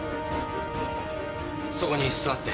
そこに座って。